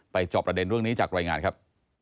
จอบประเด็นเรื่องนี้จากรายงานครับ